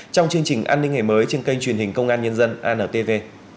trong chương trình an ninh ngày mới trên kênh truyền hình công an nhân dân antv